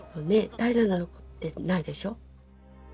平らなとこってないでしょ